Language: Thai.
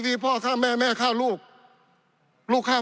ปี๑เกณฑ์ทหารแสน๒